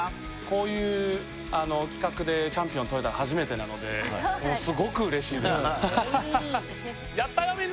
こういう企画でチャンピオンとれたの初めてなのでレミイ